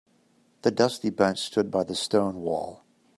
The dusty bench stood by the stone wall.